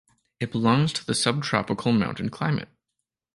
It belongs to the subtropical mountain climate.